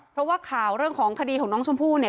เพราะว่าข่าวเรื่องของคดีของน้องชมพู่เนี่ย